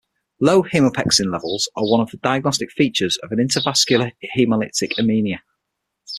Low hemopexin levels are one of the diagnostic features of an intravascular hemolytic anemia.